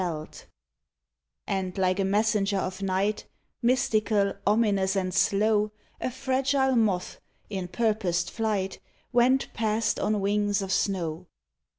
109 MOONLIGH'T IN "THE PINES And, like a messenger of night, Mystical, ominous and slow, A fragile moth, in purposed flight, Went past on wings of snow.